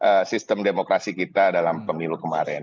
untuk sistem demokrasi kita dalam pemilu kemarin